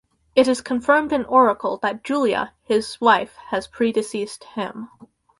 It is confirmed in "Oracle" that Julia, his wife, has predeceased him.